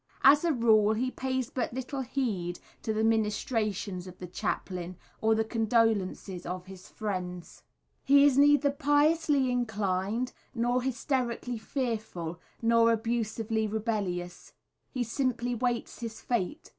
As a rule, he pays but little heed to the ministrations of the chaplain, or the condolences of his friends. He is neither piously inclined, nor hysterically fearful, nor abusively rebellious he simply waits his fate.